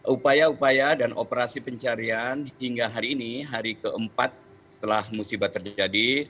upaya upaya dan operasi pencarian hingga hari ini hari keempat setelah musibah terjadi